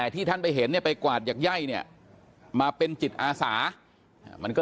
ที่ท่านไปเห็นเนี่ยไปกวาดหยักไย่เนี่ยมาเป็นจิตอาสามันก็